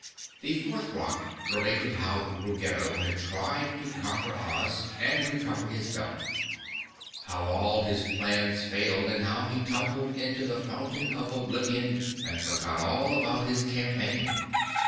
The fourth rock related how Ruggedo had tried to conquer Oz and recover his belt; how all of his plans failed and how he tumbled into the Fountain of Oblivion and forgot all about his campaign.